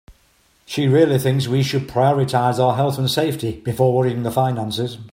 She really thinks we should prioritize our health and safety before worrying the finances.